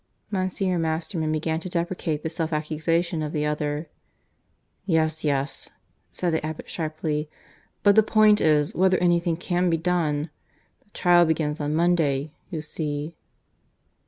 Monsignor Masterman began to deprecate the self accusation of the other. "Yes, yes," said the abbot sharply. "But the point is whether anything can be done. The trial begins on Monday, you see."